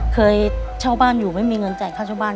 เคยเช่าบ้านอยู่ไม่มีเงินจ่ายค่าเช่าบ้าน